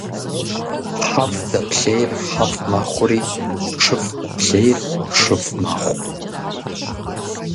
ХьэфӀ дэплъейр хьэфӀ мэхъури, шыфӀ дэплъейр шыфӀ мэхъу.